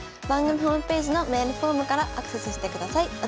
番組ホームページのメールフォームからアクセスしてください。